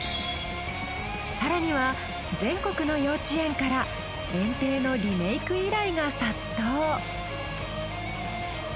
更には全国の幼稚園から園庭のリメイク依頼が殺到。